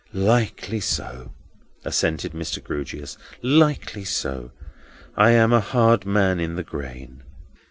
"Likely so," assented Mr. Grewgious, "likely so. I am a hard man in the grain."